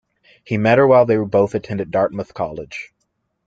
He met her while they both attended Dartmouth College.